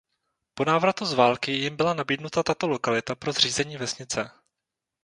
Po návratu z války jim byla nabídnuta tato lokalita pro zřízení vesnice.